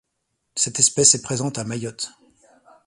Cette espèce est présente à Mayotte.